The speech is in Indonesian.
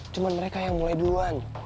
cuma mereka yang mulai duluan